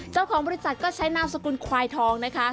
เจ้าของบริษัทก็ใช้นามสกุลควายทองนะคะ